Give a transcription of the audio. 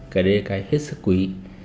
cái đấy là cái hết sức quý